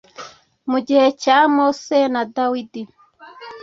mu gihe cya Mose na Dawidi,